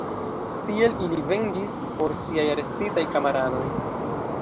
Tiel ili venĝis por siaj arestitaj kamaradoj.